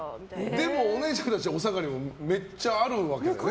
でもお姉ちゃんたちのおさがりもめっちゃあるわけだよね